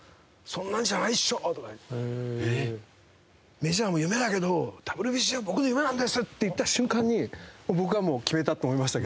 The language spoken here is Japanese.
「メジャーも夢だけどＷＢＣは僕の夢なんです！」って言った瞬間に僕はもう決めた！って思いましたけど。